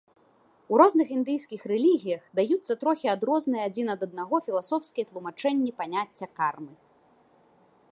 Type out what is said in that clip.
У розных індыйскіх рэлігіях даюцца трохі адрозныя адзін ад аднаго філасофскія тлумачэнні паняцця кармы.